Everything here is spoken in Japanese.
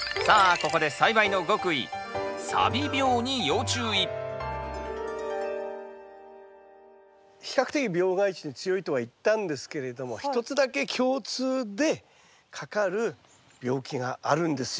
ここで比較的病害虫に強いとは言ったんですけれども一つだけ共通でかかる病気があるんですよ。